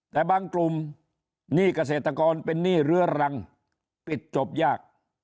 แต่บางกลุ่มหนี้เกษตรกรเป็นหนี้เรื้อรังปิดจบยาก